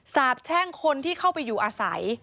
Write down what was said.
สาบแช่งคนที่เข้าไปอยู่อาศัย